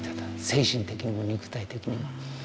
精神的にも肉体的にも。